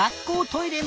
「トイレ！」